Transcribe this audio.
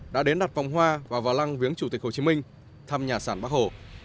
đã đến đặt vòng hoa và vào lăng viếng chủ tịch hồ chí minh thăm nhà sản bắc hồ